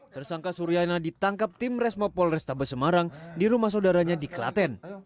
terus terangkan kemungkinan akan meledakkan bom di rumah saudaranya di kelaten